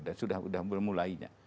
dan sudah bermulainya